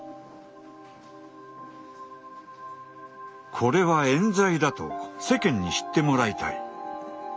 これはえん罪だと世間に知ってもらいたい。